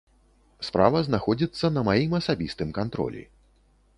Справа знаходзіцца на маім асабістым кантролі.